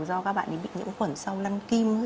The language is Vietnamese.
do các bạn bị nhiễm khuẩn sau lăn kim